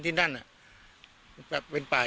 ฐานพระพุทธรูปทองคำ